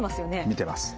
見てます。